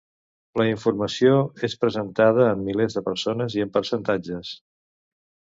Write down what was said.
La informació és presentada en milers de persones i en percentatges.